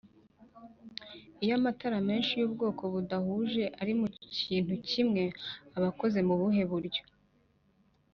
iyo amataramenshi y’ubwoko budahuje ari mucyintu kimwe aba akoze kubuhe buryo